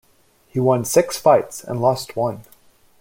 He won six fights and lost one.